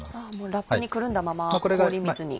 ラップにくるんだまま氷水に。